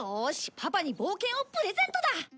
パパに冒険をプレゼントだ！